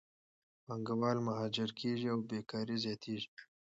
پانګهوال مهاجر کېږي او بیکارۍ زیاتېږي.